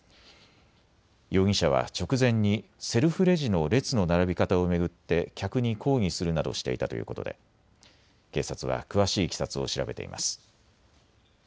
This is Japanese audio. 容疑者は直前にセルフレジの列の並び方を巡って客に抗議するなどしていたということで警察は詳しいいきさつを調べています。